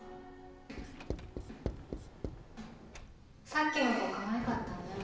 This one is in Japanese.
さっきの子かわいかったね